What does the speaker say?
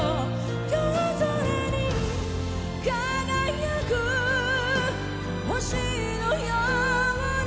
「夜空に輝く星のように」